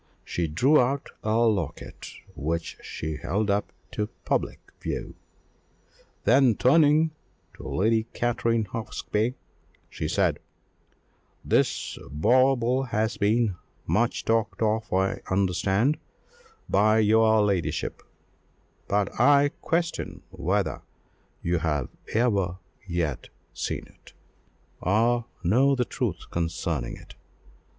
She drew out a locket, which she held up to public view; then, turning to Lady Katrine Hawksby, she said "This bauble has been much talked of, I understand, by your ladyship, but I question whether you have ever yet seen it, or know the truth concerning it.